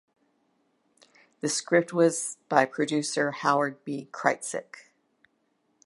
The script was by producer Howard B. Kreitsek.